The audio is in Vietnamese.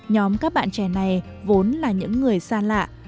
nhóm các bạn trẻ này vốn là những người xa lạ